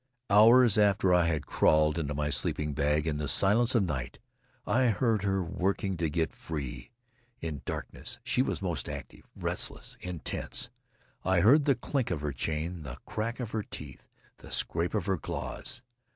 Hours after I had crawled into my sleeping bag, in the silence of night I heard her working to get free. In darkness she was most active, restless, intense. I heard the clink of her chain, the crack of her teeth, the scrape of her claws.